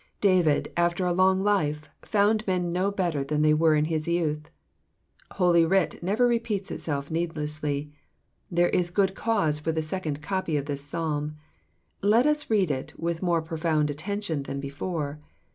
David after a long life, found men no better than they were in his youth. Holy Writ never repeats itself needlessly, there is good cause for the second copy of this Psalm ; let us read U with more profound attention than before.